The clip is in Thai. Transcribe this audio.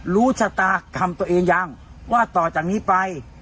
รู้ชะตากรรมตัวเองยังว่าต่อจากนี้ไป